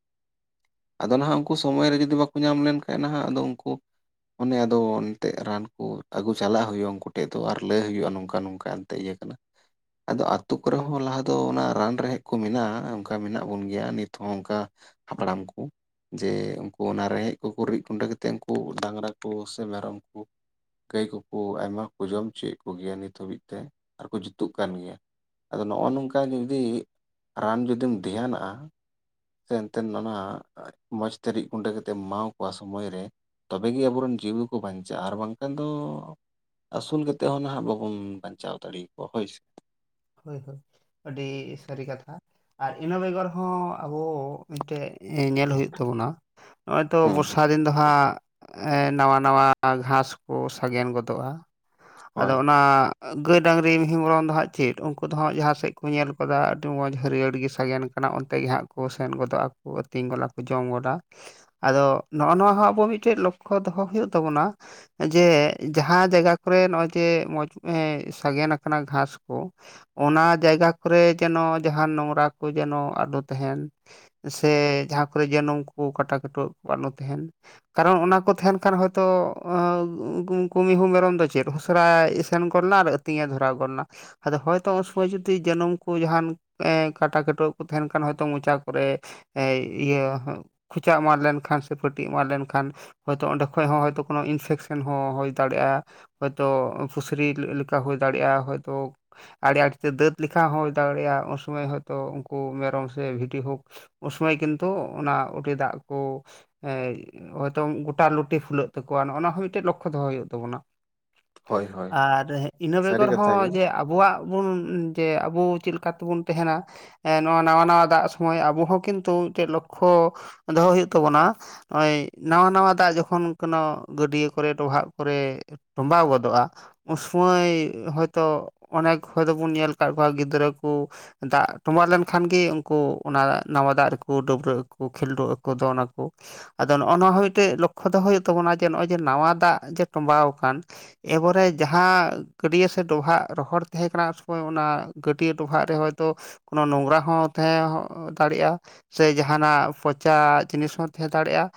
ᱟᱫᱚ ᱱᱟᱦᱟᱜ ᱩᱱᱠᱩ ᱥᱚᱢᱚᱭ ᱨᱮ ᱡᱩᱫᱤ ᱵᱟᱠᱚ ᱧᱟᱢ ᱞᱮᱱᱠᱷᱟᱱᱡ ᱱᱟᱦᱟᱜ ᱟᱫᱚ ᱩᱱᱠᱩ ᱚᱱᱮ ᱟᱫᱚ ᱮᱱᱛᱮᱜ ᱨᱟᱱ ᱠᱚ ᱟᱹᱜᱩ ᱪᱟᱞᱟᱜ ᱦᱩᱭᱩᱜᱼᱟ ᱩᱱᱠᱩ ᱴᱷᱮᱡ ᱫᱚ ᱟᱨ ᱞᱟᱹᱭ ᱦᱩᱭᱩᱜᱼᱟ ᱱᱚᱝ ᱱᱚᱝᱠᱟ ᱱᱚᱝᱠᱟ ᱮᱱᱛᱮ ᱤᱭᱟᱹ ᱠᱟᱱᱟ, ᱟᱫᱚ ᱟᱛᱩ ᱠᱚᱨᱮ ᱦᱩᱸ ᱦᱚᱸ ᱞᱟᱦᱟ ᱫᱚ ᱚᱱᱟ ᱨᱟᱱ ᱨᱮᱦᱮᱫ ᱠᱚ ᱢᱮᱱᱟᱜᱼᱟ ᱚᱱᱠᱟ ᱢᱮᱱᱟᱜ ᱵᱚᱱ ᱜᱮᱭᱟ ᱱᱤᱛ ᱦᱚᱸ ᱚᱱᱠᱟ ᱦᱟᱯᱲᱟᱢ ᱠᱚ। ᱡᱮ ᱩᱱᱠᱩ ᱚᱱᱟ ᱨᱮᱸᱦᱮᱫ ᱠᱚᱠᱚ ᱨᱤᱫ ᱜᱩᱰᱟᱹ ᱠᱟᱛᱮᱫ ᱩᱱᱠᱩ ᱰᱟᱝᱨᱟ ᱠᱚ ᱥᱮ ᱢᱮᱨᱚᱢ ᱠᱚ ᱜᱟᱹᱭ ᱠᱚᱠᱚ ᱟᱭᱢᱟ ᱠᱚ ᱡᱚᱢ ᱦᱚᱪᱚᱭᱮᱫ ᱠᱚᱜᱮᱭᱟ ᱱᱤᱛ ᱦᱟᱹᱵᱤᱡ ᱛᱮ ᱟᱨᱠᱚ ᱡᱩᱛᱩᱜ ᱠᱟᱱ ᱜᱮᱭᱟ। ᱟᱫᱚ ᱱᱚᱜᱼᱚ ᱱᱚᱝᱠᱟ ᱡᱩᱫᱤ ᱨᱟᱱ ᱡᱩᱫᱤᱢ ᱫᱷᱮᱭᱱᱟᱜᱼᱟ ᱮᱱᱛᱮᱫ ᱚᱱᱟ ᱢᱚᱸᱡᱽᱛᱮ ᱨᱤᱫ ᱜᱩᱸᱰᱟᱹ ᱠᱟᱛᱮᱢ ᱮᱢᱟ ᱠᱚᱣᱟ ᱥᱚᱢᱚᱭ ᱨᱮ। ᱛᱚᱵᱮᱜᱮ ᱟᱵᱚ ᱨᱮᱱ ᱡᱤᱣᱤ ᱠᱚ ᱵᱟᱧᱪᱟᱜᱼᱟ ᱟᱨ ᱵᱟᱝᱠᱷᱟᱱ ᱫᱚ ᱟᱹᱥᱩᱞ ᱠᱟᱛᱮᱫ ᱦᱚᱸ ᱱᱟᱦᱟᱜ ᱵᱟᱵᱚᱱ ᱵᱟᱧᱪᱟᱣ ᱫᱟᱲᱮ ᱟᱠᱚᱣᱟ ᱦᱳᱭᱥᱮ। ᱦᱳᱭ ᱦᱳᱭ ᱟᱹᱰᱤ ᱥᱟᱹᱨᱤ ᱠᱟᱛᱷᱟ। ᱟᱨ ᱤᱱᱟᱹ ᱵᱮᱜᱚᱨ ᱦᱚᱸ ᱟᱵᱚ ᱢᱤᱫᱴᱮᱡ ᱧᱮᱞ ᱦᱩᱭᱩᱜ ᱛᱟᱵᱚᱱᱟ। ᱱᱚᱜᱼᱚᱭ ᱛᱚ ᱦᱩᱸ ᱵᱚᱨᱥᱟ ᱫᱤᱱ ᱫᱚ ᱦᱟᱸᱜ ᱱᱟᱣᱟ ᱱᱟᱣᱟ ᱜᱷᱟᱥ ᱠᱚ ᱥᱟᱜᱮᱱ ᱜᱚᱫᱚᱜᱼᱟ ᱾ ᱟᱫᱚ ᱦᱳᱭ ᱚᱱᱟ ᱜᱟᱹᱭ ᱰᱟᱹᱟᱝᱨᱤ ᱢᱤᱦᱩᱸ ᱢᱮᱨᱚᱢ ᱫᱚ ᱦᱟᱸᱜ ᱪᱮᱫ ᱩᱱᱠᱩ ᱫᱚ ᱦᱟᱸᱜ ᱡᱟᱦᱟᱸ ᱥᱮᱫ ᱠᱚ ᱧᱮᱞ ᱠᱟᱫᱟ ᱟᱹᱰᱤ ᱢᱚᱡᱽ ᱦᱟᱹᱨᱭᱟᱹᱲ ᱜᱮ ᱥᱟᱜᱮᱱ ᱠᱟᱱᱟ ᱚᱱᱛᱮ ᱜᱮ ᱦᱟᱸᱜ ᱠᱚ ᱥᱮᱱ ᱜᱚᱫᱚᱜᱼᱟ ᱾ ᱟᱹᱛᱤᱧ ᱜᱚᱞᱟ ᱠᱚ ᱡᱚᱢ ᱜᱚᱞᱟ। ᱟᱫᱚ ᱱᱚᱜᱼᱚ ᱱᱚᱣᱟ ᱦᱚᱸ ᱟᱵᱚ ᱢᱤᱫᱴᱮᱱ ᱞᱚᱠᱠᱷᱚ ᱫᱚᱦᱚ ᱦᱩᱭᱩᱜ ᱛᱟᱵᱚᱱᱟ ᱡᱮ ᱡᱟᱦᱟᱸ ᱡᱟᱭᱜᱟ ᱠᱚᱨᱮ ᱱᱚᱜᱼᱚᱭ ᱡᱮ ᱢᱚᱡᱽ ᱮ ᱥᱟᱜᱮᱱ ᱟᱠᱟᱱᱟ ᱜᱷᱟᱥ ᱠᱚ ᱚᱱᱟ ᱡᱟᱭᱜᱟ ᱠᱚᱨᱮ ᱡᱮᱱᱚ ᱡᱟᱸᱦᱟᱱ ᱱᱚᱝᱨᱟ ᱠᱚ ᱡᱮᱱᱚ ᱟᱞᱚ ᱛᱟᱦᱮᱱ। ᱥᱮ ᱡᱟᱦᱟᱸ ᱠᱚᱨᱮ ᱡᱮ ᱱᱩᱝᱠᱩ ᱠᱟᱴᱟᱠᱩᱴᱨᱟᱹᱜ ᱠᱚ ᱟᱞᱚ ᱛᱟᱦᱮᱱ। ᱠᱟᱨᱚᱱ ᱚᱱᱟ ᱠᱚ ᱛᱟᱦᱮᱱ ᱠᱷᱟᱱ ᱦᱚᱭᱛᱚ ᱩᱸ ᱩᱱᱠᱩ ᱢᱤᱦᱩ ᱢᱮᱨᱚᱢ ᱫᱚ ᱪᱮᱫ ᱦᱩᱸᱥᱟᱹᱨᱟ ᱥᱮᱱ ᱜᱚᱫ ᱱᱟ ᱟᱨ ᱟᱹᱛᱤᱧᱮ ᱫᱷᱩᱨᱟᱣ ᱜᱚᱫ ᱮᱱᱟ। ᱟᱫᱚ ᱦᱚᱭᱛᱚ ᱩᱱᱥᱚᱢᱚᱭ ᱡᱩᱫᱤ ᱡᱟᱹᱱᱩᱢ ᱠᱩ ᱡᱟᱦᱟᱱ ᱠᱟᱴᱟ-ᱠᱟᱴᱩᱣᱟᱹ ᱠᱚ ᱛᱟᱸᱦᱮᱱ ᱠᱷᱟᱱ ᱦᱚᱭᱛᱚ ᱢᱚᱪᱟ ᱠᱚᱨᱮ ᱮ ᱤᱭᱟᱹ ᱠᱷᱚᱪᱟ ᱮᱢᱟᱜ ᱞᱮᱱᱠᱷᱟᱱ ᱥᱮ ᱯᱟᱹᱴᱤ ᱮᱢᱟᱱ ᱞᱮᱱᱠᱷᱟᱱ। ᱦᱚᱭᱛᱳ ᱚᱸᱰᱮ ᱠᱷᱚᱡ ᱦᱚᱸ ᱦᱚᱭᱛᱳ ᱠᱳᱱᱳ ᱤᱱᱯᱷᱮᱠᱥᱮᱱ ᱦᱚᱸ ᱦᱩᱭ ᱫᱟᱲᱮᱭᱟᱜᱼᱟ। ᱦᱚᱭᱛᱚ ᱯᱷᱩᱥᱨᱤ ᱞᱮᱠᱟ ᱦᱩᱭ ᱫᱟᱲᱮᱭᱟᱜᱼᱟ ᱦᱚᱭᱛᱳ। ᱟᱹᱲᱮ ᱟᱲᱮᱛᱮ ᱫᱟᱹᱛ ᱞᱮᱠᱷᱟ ᱦᱚᱸ ᱦᱩᱭ ᱫᱟᱲᱮᱭᱟᱜᱼᱟ ᱩᱱ ᱥᱚᱢᱚᱭ ᱦᱚᱭᱛᱳ ᱩᱱᱠᱩ ᱢᱮᱨᱚᱢ ᱥᱮ ᱵᱷᱤᱰᱤ ᱦᱳᱠ ᱩᱱ ᱥᱚᱢᱚᱭ ᱠᱤᱱᱛᱩ ᱚᱱᱟ ᱩᱞᱤ ᱫᱟᱜ ᱠᱩ ᱮ ᱦᱚᱭᱛᱚ ᱜᱚᱴᱟ ᱞᱩᱴᱤ ᱯᱷᱩᱞᱟᱹᱜ ᱛᱟᱠᱚᱣᱟ ᱱᱚᱜᱼᱚ ᱱᱚᱣᱟ ᱦᱚᱸ ᱢᱤᱫᱴᱮᱡ ᱞᱚᱠᱠᱷᱚ ᱫᱚᱦᱚ ᱦᱩᱭᱩᱜ ᱛᱟᱵᱚᱱᱟ। ᱦᱳᱭ ᱦᱳᱭ ᱟᱨ ᱤᱱᱟᱹ ᱥᱟᱹᱨᱤ ᱵᱮᱜᱚᱨ ᱠᱟᱛᱷᱟ ᱦᱚᱸ ᱜᱮ ᱡᱮ ᱟᱵ ᱵᱚᱣᱟᱜ ᱵᱩᱱ ᱡᱮ ᱟᱵᱩ ᱪᱮᱫ ᱞᱮᱠᱟ ᱛᱮᱵᱩᱱ ᱛᱟᱸᱦᱮᱱᱟ? ᱮᱸ ᱱᱚᱣᱟ ᱱᱟᱣᱟ ᱱᱟᱣᱟ ᱫᱟᱜ ᱥᱚᱢᱚᱭ ᱟᱵᱚ ᱦᱚᱸ ᱠᱤᱱᱛᱩ ᱪᱮᱫ ᱞᱚᱠᱠᱷᱚ ᱫᱚᱦᱚ ᱦᱩᱭᱩᱜ ᱛᱟᱵᱚᱱᱟ। ᱱᱚᱜᱼᱚᱭ ᱱᱟᱣᱟ ᱱᱟᱣᱟ ᱫᱟᱜ ᱡᱚᱠᱷᱚᱱ ᱠᱚᱱᱚ ᱜᱟᱹᱰᱭᱟᱹ ᱠᱚᱨᱮ ᱰᱚᱵᱷᱟᱜ ᱠᱚᱨᱮ। ᱴᱚ‌ᱸᱵᱟᱣ ᱜᱚᱫᱚᱜᱼᱟ ᱩᱱ ᱥᱩᱢᱟᱹᱭ ᱦᱚᱭᱛᱚ ᱚᱱᱮᱠ ᱦᱚᱭᱛᱚ ᱵᱩᱱ ᱧᱮᱞ ᱟᱠᱟᱫ ᱠᱚᱣᱟ ᱜᱤᱫᱽᱨᱟᱹ ᱠᱩ- ᱫᱟᱜ ᱴᱚᱸᱵᱟ ᱞᱮᱱᱠᱷᱟᱱ ᱜᱮ ᱩᱱᱠᱩ ᱚᱱᱟ ᱱᱟᱣᱟ ᱫᱟᱜ ᱨᱮᱠᱚ ᱰᱟᱹᱵᱽᱨᱟᱹᱜ ᱟᱠᱚ ᱠᱷᱤᱞᱰᱩ ᱟᱠᱩ ᱫᱚᱱ ᱟᱠᱩ ᱟᱫᱚ ᱱᱚᱜᱼᱚ ᱱᱚᱣᱟ ᱦᱚᱸ ᱢᱤᱫᱴᱮᱡ ᱞᱚᱠᱠᱷᱚ ᱫᱚᱦᱚ ᱦᱩᱭᱩᱜ ᱛᱟᱵᱚᱱᱟ ᱡᱮ ᱱᱚᱜᱼᱚᱭ ᱡᱮ ᱱᱟᱣᱟ ᱫᱟᱜ ᱡᱮ ᱴᱚᱸᱵᱟᱣ ᱟᱠᱟᱱ। ᱮᱵᱚᱨᱮ ᱡᱟᱦᱟᱸ ᱜᱟᱹᱰᱭᱟᱹ ᱥᱮ ᱰᱚᱵᱷᱟᱜ ᱨᱚᱦᱚᱲ ᱛᱟᱦᱮᱸ ᱠᱟᱱᱟ ᱩᱱ ᱥᱚᱢᱚᱭ ᱚᱱᱟ ᱜᱟᱹᱰᱭᱟᱹ ᱰᱚᱵᱷᱟᱜ ᱨᱮ ᱦᱚᱭᱛᱚ ᱠᱳᱱᱚ ᱱᱚᱝᱨᱟ ᱦᱚᱸ ᱛᱟᱦᱮᱸ ᱦᱚᱸ ᱫᱟᱲᱮᱭᱟᱜᱼᱟ। ᱥᱮ ᱡᱟᱦᱟᱱᱟᱜ ᱯᱚᱪᱟ ᱡᱤᱱᱤᱥ ᱦᱚᱸ ᱛᱟᱦᱮᱸ ᱫᱟᱲᱮᱜᱼᱟ।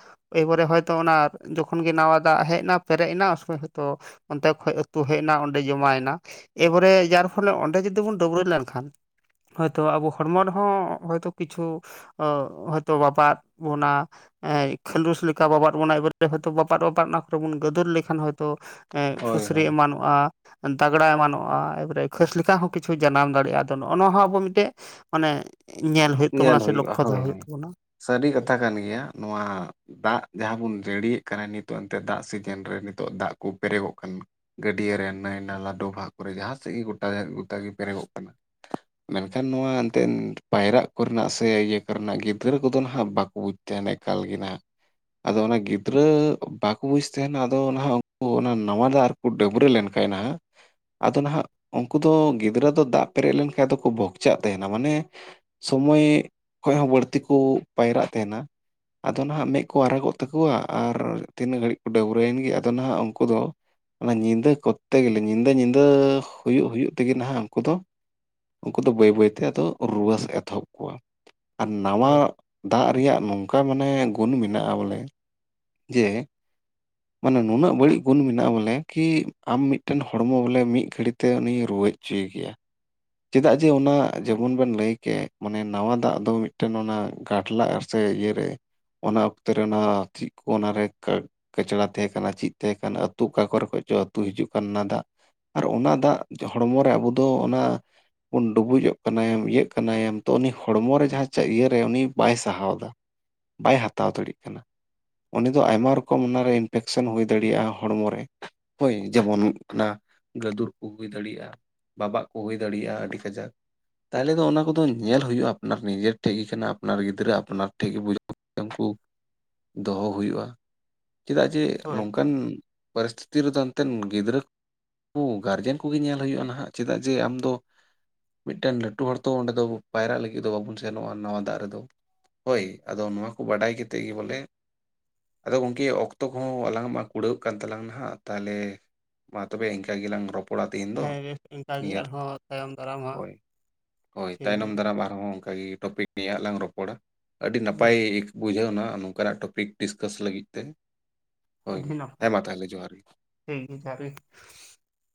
ᱮᱵᱚᱨᱮ ᱦᱚᱭᱛᱚ ᱚᱱᱟ ᱡᱚᱠᱷᱚᱱ ᱜᱮ ᱱᱟᱣᱟ ᱫᱟᱜ ᱦᱮᱡ ᱮᱱᱟ ᱯᱮᱨᱮᱡ ᱮᱱᱟ ᱩᱱᱥᱚᱢᱚᱭ ᱦᱚᱭᱛᱚ ᱚᱱᱛᱮ ᱠᱷᱚᱡ ᱟᱹᱛᱩ ᱦᱮᱡ ᱮᱱᱟ ᱚᱸᱰᱮ ᱡᱚᱢᱟᱭ ᱮᱱᱟ। ᱮᱵᱟᱨᱮ ᱡᱟᱨ ᱯᱷᱚᱞᱮ ᱚᱸᱰᱮ ᱡᱩᱫᱤ ᱵᱚᱱ ᱰᱟᱹᱵᱽᱨᱟᱹ ᱞᱮᱱᱠᱷᱟᱱ ᱦᱚᱭᱛᱚ ᱟᱵᱚ ᱦᱚᱲᱢᱚ ᱨᱮᱦᱚᱸ ᱦᱚᱭᱛᱚ ᱠᱤᱪᱷᱩ ᱚ ᱦᱚᱭᱛᱳ ᱵᱟᱯᱟᱫ ᱵᱚᱱᱟ। ᱠᱷᱟᱹᱞᱩᱥ ᱞᱮᱠᱟ ᱵᱟᱵᱟᱫ ᱵᱚᱱᱟ ᱮᱵᱟᱨᱮᱛᱮ ᱦᱚᱭᱛᱚ ᱵᱟᱵᱟᱫ ᱵᱟᱵᱟᱫ ᱚᱱᱟ ᱠᱚᱨᱮ ᱵᱚᱱ ᱜᱟᱹᱫᱩᱨ ᱞᱮᱠᱷᱟᱱ ᱦᱚᱭᱛᱳ ᱦᱳᱭ ᱯᱷᱩᱥᱨᱤ ᱦᱳᱭ ᱮᱢᱟᱱᱚᱜᱼᱟ ᱫᱟᱜᱽᱲᱟ ᱮᱢᱟᱱᱚᱜᱼᱟ। ᱮᱵᱟᱨᱮ ᱠᱷᱟᱹᱥ ᱞᱮᱠᱟ ᱦᱚᱸ ᱠᱤᱪᱷᱩ ᱡᱟᱱᱟᱢ ᱫᱟᱲᱮᱭᱟᱜᱼᱟ ᱟᱫᱚ ᱱᱚᱜᱼᱚ ᱱᱚᱣᱟ ᱦᱚᱸ ᱟᱵᱚ ᱢᱤᱫᱴᱮᱡ ᱢᱟᱱᱮ ᱧᱮᱞ ᱦᱩᱭᱩᱜ ᱛᱟᱵᱚᱱᱟ ᱥᱮ ᱦᱩᱭᱩᱜᱼᱟ ᱞᱚᱠᱠᱷᱚ ᱫᱚᱦᱚ ᱦᱳᱭ ᱦᱩᱭᱩᱜ ᱦᱳᱭ ᱛᱟᱵᱚᱱᱟ। ᱥᱟᱹᱨᱤ ᱠᱟᱛᱷᱟ ᱠᱟᱱ ᱜᱮᱭᱟ ᱱᱚᱣᱟ ᱫᱟᱜ ᱡᱟᱦᱟᱸ ᱵᱚᱱ ᱡᱟᱹᱲᱤᱭᱮᱫ ᱠᱟᱱᱟ ᱱᱤᱛᱚᱜ ᱮᱱᱛᱮᱫ ᱫᱟᱜ ᱥᱤᱡᱤᱱ ᱨᱮ ᱱᱤᱛᱚᱜ ᱫᱟᱜ ᱠᱚ ᱯᱮᱨᱮᱜᱚᱜ ᱠᱟᱱᱟ। ᱜᱟᱹᱰᱭᱟᱹ ᱨᱮ ᱱᱟᱹᱭ-ᱱᱟᱞᱟ ᱰᱚᱵᱷᱟᱜ ᱠᱚᱨᱮ ᱡᱟᱦᱟᱸ ᱥᱮᱫ ᱜᱮ ᱜᱚᱴᱟ ᱜᱚᱴᱟ ᱜᱮ ᱯᱮᱨᱮᱜᱚᱜ ᱠᱟᱱᱟ। ᱢᱮᱱᱠᱷᱟᱱ ᱱᱚᱣᱟ ᱮᱱᱛᱮᱱ ᱯᱟᱭᱨᱟᱜ ᱠᱚᱨᱮᱱᱟᱜ ᱥᱮ ᱤᱭᱟᱹ ᱠᱚᱨᱮᱱᱟᱜ ᱜᱤᱫᱽᱨᱟᱹ ᱠᱚᱫᱚ ᱱᱟᱦᱟᱜ ᱵᱟᱠᱩ ᱵᱩᱡᱽ ᱛᱟᱦᱮᱱ ᱮᱠᱟᱞ ᱜᱮ ᱱᱟᱦᱟᱜ ᱟᱫᱚ ᱚᱱᱟ ᱜᱤᱫᱽᱨᱟᱹ ᱵᱟᱠᱚ ᱵᱩᱡ ᱛᱟᱦᱮᱱᱟ ᱟᱫᱚ ᱱᱟᱦᱟᱜ ᱩᱱᱠᱩ ᱚᱱᱟ ᱱᱟᱣᱟ ᱫᱚᱜ ᱨᱮ ᱠᱚ ᱰᱟᱹᱵᱽᱨᱟᱹ ᱞᱮᱱᱠᱷᱟᱡ ᱱᱟᱦᱟᱜ ᱟᱫᱚ ᱱᱟᱦᱟᱜ ᱩᱱᱠᱩ ᱫᱚ ᱜᱤᱫᱽᱨᱟᱹ ᱫᱚ ᱫᱟᱜ ᱯᱮᱨᱮᱡ ᱞᱮᱱᱠᱷᱟᱱ ᱫᱚᱠᱚ ᱵᱷᱚᱠᱪᱟᱜ ᱛᱟᱦᱮᱱᱟ ᱢᱟᱱᱮ ᱥᱚᱢᱚᱭ ᱠᱷᱚᱡ ᱦᱚᱸ ᱵᱟᱹᱲᱛᱤ ᱠᱩ ᱯᱟᱭᱨᱟᱜ ᱛᱟᱦᱮᱱᱟ ᱟᱫᱚᱱᱟᱦᱟᱜ ᱢᱮᱫ ᱠᱚ ᱟᱨᱟᱜᱚᱜ ᱛᱟᱠᱚᱣᱟ ᱟᱨ ᱛᱤᱱᱟᱹᱜ ᱜᱷᱟᱹᱲᱤᱡ ᱠᱚ ᱰᱟᱹᱵᱽᱨᱟᱹᱭᱮᱱ ᱜᱮ ᱟᱫᱚᱱᱟᱦᱜ ᱩᱱᱠᱩ ᱫᱚ ᱚᱱᱟ ᱧᱤᱫᱟᱹ ᱠᱚᱨᱛᱮ ᱜᱮᱞᱮ ᱧᱤᱫᱟᱹ ᱧᱤᱫᱟᱹ ᱦᱩᱭᱩᱜ ᱦᱩᱭᱩᱜ ᱛᱮᱜᱮᱱ ᱦᱟᱜ ᱩᱱᱠᱩ ᱫᱚ, ᱩᱱᱠᱩ ᱫᱚ ᱵᱟᱹᱭ ᱵᱟᱹᱭᱛᱮ ᱟᱫᱚ ᱨᱩᱣᱟᱹ ᱥᱮᱜ ᱮᱛᱚᱦᱚᱵ ᱠᱚᱣᱟ ᱟᱨ ᱱᱟᱣᱟ ᱦᱳᱭ ᱫᱟᱜ ᱨᱮᱭᱟᱜ ᱱᱚᱝᱠᱟ ᱢᱟᱱᱮ ᱜᱩᱱ ᱢᱮᱱᱟᱜᱼᱟ ᱵᱚᱞᱮ ᱡᱮ ᱢᱟᱱᱮ ᱱᱩᱱᱟᱹᱜ ᱵᱟᱹᱲᱤᱡ ᱜᱩᱱ ᱢᱮᱱᱟᱜᱼᱟ ᱵᱚᱞᱮ ᱠᱤ ᱟᱢ ᱢᱤᱫᱴᱮᱱ ᱦᱚᱲᱢᱚ ᱵᱚᱞᱮ ᱢᱤᱫ ᱜᱷᱟᱹᱲᱤ ᱛᱮ ᱩᱱᱤ ᱨᱩᱣᱟᱹᱭ ᱪᱟᱹᱭ ᱜᱮᱭᱟ ᱪᱮᱫᱟᱜ ᱡᱮ ᱚᱱᱟ ᱡᱮᱢᱚᱱ ᱵᱮᱱ ᱞᱟᱹᱭᱠᱮᱜ ᱢᱟᱱᱮ ᱱᱟᱣᱟ ᱫᱟᱜ ᱫᱚ ᱢᱤᱫᱴᱮᱱ ᱚᱱᱟ ᱜᱟᱴᱞᱟᱜ-ᱮ ᱥᱮ ᱤᱭᱟᱹᱨᱮ ᱚᱱᱟ ᱚᱠᱛᱮ ᱨᱮ ᱚᱱᱟ ᱪᱤᱜ ᱠᱚ ᱚᱱᱟᱨᱮ ᱠᱟᱪᱲᱟ ᱛᱮᱦᱮ ᱠᱟᱱᱟ ᱪᱮᱫ ᱛᱮᱦᱮ ᱠᱟᱱᱟ ᱟᱹᱛᱩ ᱚᱠᱟ ᱠᱚᱨᱮ ᱠᱷᱚᱡ ᱪᱚ ᱟᱹᱛᱩ ᱦᱤᱡᱩᱜ ᱠᱟᱱᱟ ᱫᱟᱜ ᱟᱨ ᱚᱱᱟ ᱫᱟᱜ ᱦᱚᱲᱢᱚ ᱨᱮ ᱟᱵᱚ ᱫᱚ ᱚᱱᱟ ᱵᱚᱱ ᱰᱩᱵᱩᱡᱚᱜ ᱠᱟᱱᱟᱭᱮᱢ ᱤᱭᱟᱹᱜ ᱠᱟᱱᱟᱭᱮᱢ ᱛᱚ ᱩᱱᱤ ᱦᱚᱲᱢᱚ ᱨᱮ ᱡᱟᱦᱟᱸ ᱤᱭᱟᱹᱨᱮ ᱩᱱᱤ ᱵᱟᱭ ᱥᱟᱦᱟᱣ ᱫᱟ᱾ ᱵᱟᱭ ᱦᱟᱛᱟᱣ ᱫᱟᱲᱤᱜ ᱠᱟᱱᱟ᱾ ᱩᱱᱤ ᱫᱚᱚ ᱟᱭᱢᱟ ᱨᱚᱠᱚᱢ ᱚᱱᱟᱨᱮ ᱤᱱᱯᱷᱮᱠᱥᱮᱱ ᱦᱩᱭ ᱫᱟᱲᱮᱭᱟᱜᱼᱟ ᱦᱚᱲᱢᱚ ᱨᱮ, ᱦᱳᱭ ᱡᱮᱢᱚᱱ ᱚᱱᱟ ᱜᱟᱹᱫᱩᱨ ᱠᱚ ᱦᱩᱭ ᱫᱟᱲᱮᱭᱟᱜᱼᱟ, ᱵᱟᱵᱟᱜ ᱠᱚ ᱦᱩᱭ ᱫᱟᱲᱤᱭᱟᱜᱼᱟ ᱟᱹᱰᱤ ᱠᱟᱡᱟᱠ᱾ ᱛᱟᱦᱚᱞᱮ ᱫᱚ ᱚᱱᱟ ᱠᱚᱫᱚ ᱧᱮᱞᱦᱳᱭᱳᱜᱟ ᱟᱯᱱᱟᱨ ᱱᱤᱡᱮᱨ ᱴᱷᱮᱡ ᱜᱮ ᱠᱟᱱᱟ ᱟᱯᱱᱟᱨ ᱜᱤᱫᱽᱨᱟᱹ ᱟᱯᱱᱟᱨ ᱴᱷᱮᱜ ᱜᱮ ᱵᱩᱡᱟ ᱩᱱᱠᱩ ᱫᱚᱦᱚ ᱦᱩᱭᱩᱜᱼᱟ, ᱪᱮᱫᱟᱜ ᱡᱮ ᱦᱳᱭ ᱱᱚᱝᱠᱟᱱ ᱯᱚᱨᱤᱥᱛᱤᱛᱤ ᱨᱮᱫᱚ ᱮᱱᱛᱮᱱ ᱜᱤᱫᱽᱨᱟᱹ ᱠᱚ ᱜᱟᱨᱡᱮᱱ ᱠᱚᱜᱮ ᱧᱮᱞ ᱦᱩᱭᱩᱜᱼᱟ ᱱᱟᱦᱟᱜ, ᱪᱮᱫᱟᱜ ᱡᱮ ᱟᱢᱫᱚ ᱢᱤᱫᱴᱮᱱ ᱞᱟᱹᱴᱩ ᱦᱚᱲ ᱛᱚ ᱚᱸᱰᱮ ᱫᱚ ᱯᱟᱭᱨᱟᱜ ᱞᱟᱹᱜᱤᱫ ᱫᱚ ᱵᱟᱵᱩᱱ ᱥᱮᱱᱚᱜᱼᱟ ᱱᱟᱣᱟ ᱫᱟᱜ ᱨᱮᱫᱚ᱾ ᱦᱳᱭ ᱟᱫᱚ ᱱᱚᱣᱟ ᱠᱚ ᱵᱟᱰᱟᱭ ᱠᱮᱛᱮ ᱜᱮ ᱵᱚᱞᱮ ᱟᱫᱚ ᱜᱚᱝᱠᱮ ᱚᱠᱛᱚ ᱠᱚᱦᱚᱸ ᱟᱞᱟᱝ ᱢᱟ ᱠᱩᱲᱟᱹᱜᱣ ᱠᱟᱱ ᱛᱟᱞᱟᱝ ᱱᱟᱦᱟᱜ ᱛᱟᱦᱚᱞᱮ ᱢᱟ ᱛᱚᱵᱮ ᱮᱱᱠᱟᱹ ᱜᱮᱞᱟᱝ ᱨᱚᱯᱚᱲᱟ ᱛᱮᱦᱮᱧ ᱫᱚ᱾ ᱱᱤᱭᱟᱹ ᱦᱳᱭ ᱛᱟᱭᱚᱢ ᱫᱟᱨᱟᱢ ᱦᱟᱸᱜ ᱦᱳᱭ ᱦᱳᱭ ᱴᱷᱤᱠ ᱛᱟᱭᱱᱚᱢ ᱜᱮᱭᱟ ᱫᱟᱨᱟᱢ ᱟᱨᱦᱚᱸ ᱚᱱᱠᱟᱜᱮ ᱴᱚᱯᱤᱠ ᱱᱤᱭᱮ ᱞᱟᱝ ᱨᱚᱯᱚᱲᱟ᱾ ᱟᱹᱰᱤ ᱱᱟᱯᱟᱭ ᱵᱮᱥ ᱵᱩᱡᱷᱟᱹᱣ ᱮᱱᱟ ᱱᱚᱝᱠᱟᱱᱟᱜ ᱴᱚᱯᱤᱠ ᱰᱤᱥᱠᱟᱥ ᱞᱟᱹᱜᱤᱫ ᱛᱮ, ᱦᱳᱭ ᱦᱮᱸ ᱢᱟ ᱛᱟᱦᱚᱞᱮ ᱡᱚᱦᱟᱨ ᱜᱮ᱾ ᱦᱩᱸᱢ ᱡᱟᱨᱤ [UNINTELLIGIBLE]